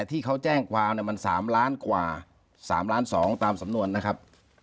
ที่เขาแจ้งความมัน๓ล้านกว่า๓ล้าน๒ตามสำนวนนะครับ